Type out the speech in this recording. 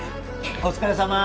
お疲れさま。